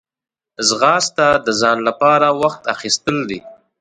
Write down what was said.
ځغاسته د ځان لپاره وخت اخیستل دي